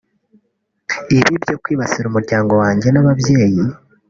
Ibi byo kwibasira umuryango wanjye n’ababyeyi